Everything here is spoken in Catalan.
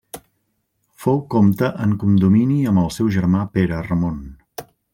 Fou comte en condomini amb el seu germà Pere Ramon.